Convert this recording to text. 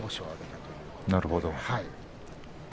なるほど。